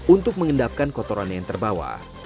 untuk mengendapkan kotoran yang terbawa